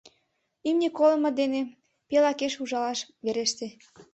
Имне колымо дене пел акеш ужалаш вереште.